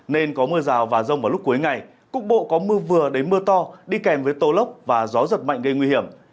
nên có mưa rào và rông vào lúc cuối ngày cục bộ có mưa vừa đến mưa to đi kèm với tô lốc và gió giật mạnh gây nguy hiểm